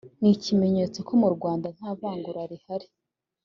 ni ikimenyetso ko mu Rwanda ntavangura rihari